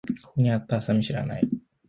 ここにあったハサミ知らない？